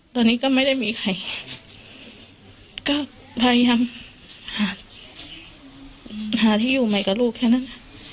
ตอนนี้ก็ไม่ได้มีใครก็พยายามหาที่อยู่ใหม่กับลูกแค่นั้น